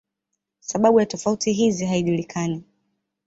Sababu ya tofauti hizi haijulikani.